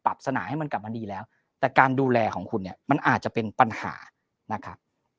สนาให้มันกลับมาดีแล้วแต่การดูแลของคุณเนี่ยมันอาจจะเป็นปัญหานะครับ